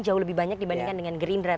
jauh lebih banyak dibandingkan dengan green rat